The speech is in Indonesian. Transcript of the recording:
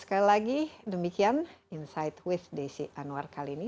sekali lagi demikian insight with desi anwar kali ini